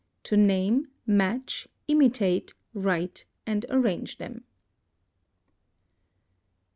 To name, match, write, imitate, and arrange them.